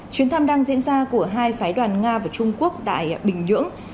chuyến thăm đang diễn ra của hai phái đoàn nga và trung quốc tại bình nhưỡng